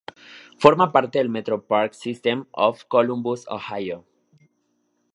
Forma parte del Metro Parks system of Columbus, Ohio.